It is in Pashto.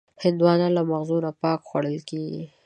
هندوانه له مغز نه پاکه خوړل کېږي.